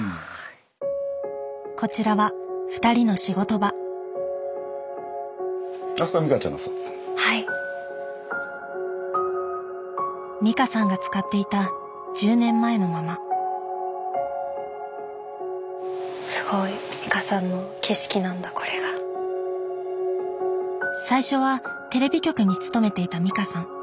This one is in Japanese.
こちらは２人の仕事場美香さんが使っていた１０年前のまま最初はテレビ局に勤めていた美香さん。